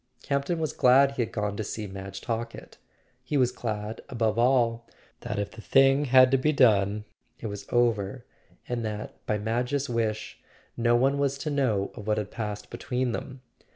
Campton was glad he had gone to see Madge Talkett. He was glad, above all, that if the thing had to be done it was over, and that, by Madge's wish, no one was to know of what had passed between them.